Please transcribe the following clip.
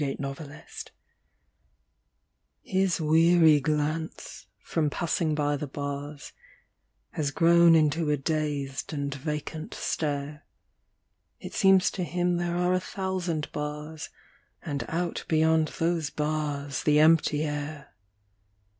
THE PANTHER His weary glance, from passing by the bars, Has grown into a dazed and vacant stare; It seems to him there are a thousand bars And out beyond those bars the empty air.